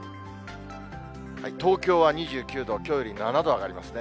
東京は２９度、きょうより７度上がりますね。